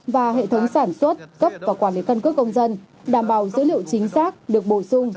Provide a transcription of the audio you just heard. và hệ thống sản xuất cấp và quản lý căn cước công dân đảm bảo dữ liệu chính xác được bổ sung